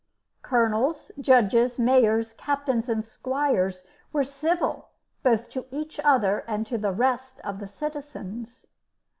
Colonels, judges, majors, captains, and squires were civil, both to each other and to the rest of the citizens.